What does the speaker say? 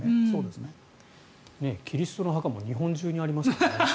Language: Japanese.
キリストの墓も日本中にありますよね。